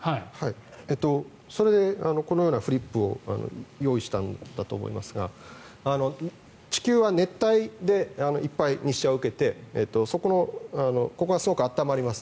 それでこのようなフリップを用意したんだと思いますが地球は熱帯でいっぱい日射を受けてここがすごく暖まります。